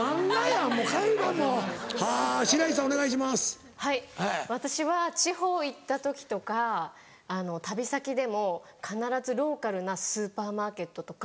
はい私は地方行った時とか旅先でも必ずローカルなスーパーマーケットとか。